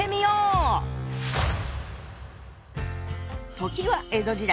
時は江戸時代。